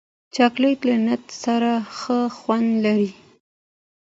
چاکلېټ له نټ سره ښه خوند لري.